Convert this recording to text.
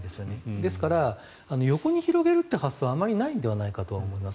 ですから横に広げるという発想はあまりないのではないかと思います。